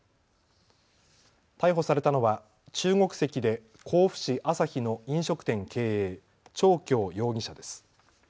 逮捕されたのは中国籍で甲府市朝日の飲食店経営、張強容疑者です。